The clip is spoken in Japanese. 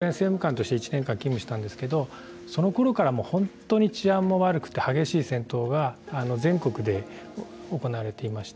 私は２０１０年にカブールで国連政務官として１年間、勤務したんですけれどもそのころから本当に治安も悪くて激しい戦闘が全国で行われていました。